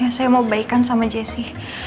ya saya mau bebaikan sama jessy